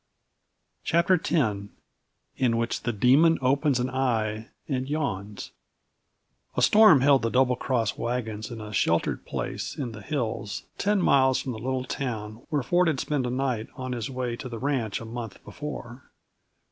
CHAPTER X In Which the Demon Opens an Eye and Yawns A storm held the Double Cross wagons in a sheltered place in the hills, ten miles from the little town where Ford had spent a night on his way to the ranch a month before.